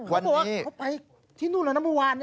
เขาไปที่นู่นเหรอนะมุมวาน